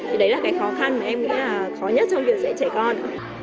thì đấy là cái khó khăn mà em nghĩ là khó nhất trong việc dạy trẻ con